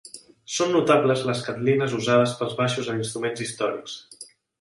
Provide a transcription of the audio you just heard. Són notables les "catlines" usades pels baixos en instruments històrics.